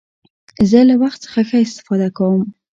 زه له وخت څخه ښه استفاده کوم.